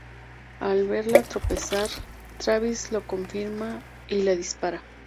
Al verla tropezar, Travis lo confirma y le dispara.